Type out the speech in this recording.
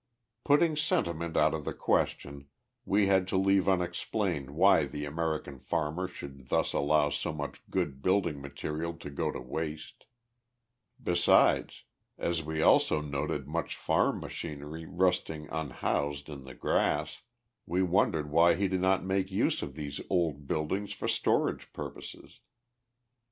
Putting sentiment out of the question, we had to leave unexplained why the American farmer should thus allow so much good building material to go to waste. Besides, as we also noted much farm machinery rusting unhoused in the grass, we wondered why he did not make use of these old buildings for storage purposes.